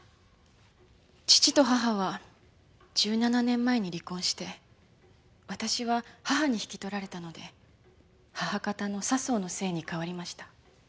父と母は１７年前に離婚して私は母に引き取られたので母方の佐相の姓に変わりました。